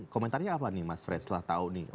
komentarnya apa nih mas fred setelah tahu nih